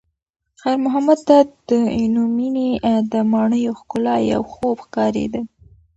خیر محمد ته د عینومېنې د ماڼیو ښکلا یو خوب ښکارېده.